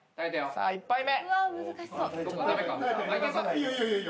さあ２杯目。